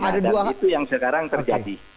dan itu yang sekarang terjadi